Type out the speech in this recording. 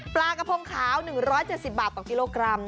ปลากระพงขาว๑๗๐บาทต่อกิโลกรัม